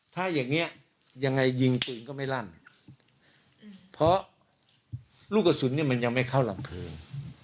ถ้าอย่างนี้ยังไงยิงปืนก็ไม่ลั่นเพราะลูกกระสุนเนี่ยมันยังไม่เข้าลำเพลิง